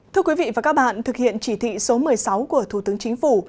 thưa quý vị và các bạn thực hiện chỉ thị số một mươi sáu của thủ tướng chính phủ